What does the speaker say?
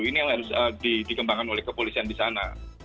ini yang harus dikembangkan oleh kepolisian di sana